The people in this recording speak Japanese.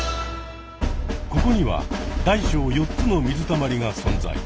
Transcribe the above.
ここには大小４つの水たまりが存在。